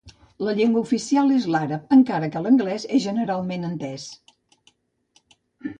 La llengua oficial és l'àrab encara que l'anglès és generalment entès.